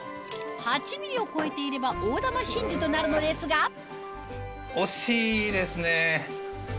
８ｍｍを超えていれば大珠真珠となるのですが惜しいですね。